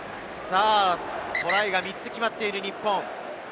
トライが３つ決まっている日本。